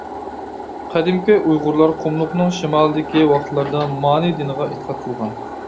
قەدىمكى ئۇيغۇرلار قۇملۇقنىڭ شىمالىدىكى ۋاقىتلاردا مانى دىنىغا ئېتىقاد قىلغان.